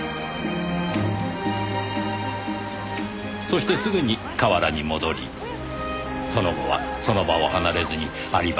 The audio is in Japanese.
そしてすぐに河原に戻りその後はその場を離れずにアリバイを作った。